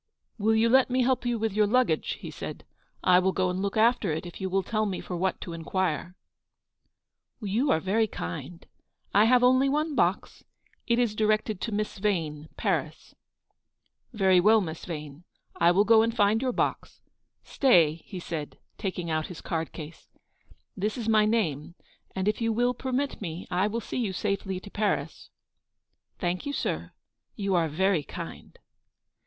10 " Will you let me help you with your luggage? " he said. " I will go aud look after it if you will tell me for what to inquire." "You are very kind. I have only one box. It is directed to Miss Vane, Paris." " Very well, Miss Vane, I will go and find your box. Stay," he said, taking out his card case, " this is my name, and if you will permit me, I will see you safely to Paris." "Thank you, sir. You are very kind."